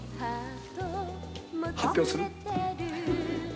「発表する？」